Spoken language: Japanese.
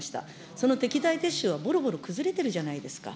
その適材適所がぼろぼろ崩れてるじゃないですか。